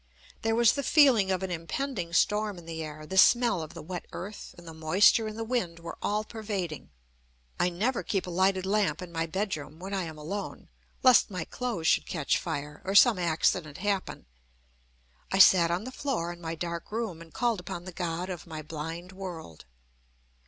There was the feeling of an impending storm in the air; the smell of the wet earth and the moisture in the wind were all pervading. I never keep a lighted lamp in my bedroom, when I am alone, lest my clothes should catch fire, or some accident happen. I sat on the floor in my dark room, and called upon the God of my blind world.